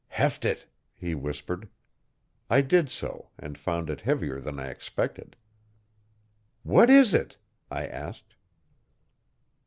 'Heft it,' he whispered. I did so and found it heavier than I expected. 'What is it?' I asked.